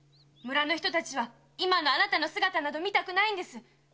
村人たちは今のあなたの姿など見たくないんです。